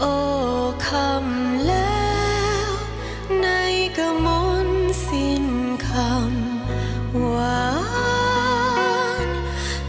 โอ้คำเลวในกมนตร์สิ้นคำหวาน